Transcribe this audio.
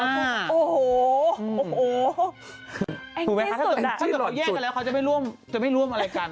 แองจี้สุดอ่ะถ้าเกิดเขาแยกกันแล้วเขาจะไม่ร่วมอะไรกัน